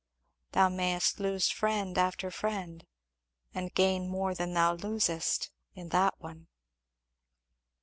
Thou mayest lose friend after friend, and gain more than thou losest, in that one."